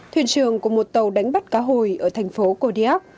thuyền trường của một tàu đánh bắt cá hồi ở thành phố kodiak